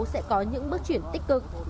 sẽ có những bước chuyển tích cực